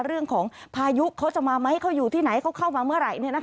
พายุเขาจะมาไหมเขาอยู่ที่ไหนเขาเข้ามาเมื่อไหร่